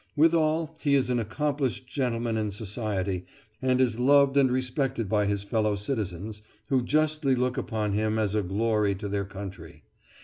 Withal he is an accomplished gentleman in society, and is loved and respected by his fellow citizens, who justly look upon him as a glory to their country.